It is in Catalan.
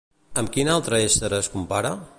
Amb quin altre ésser es compara?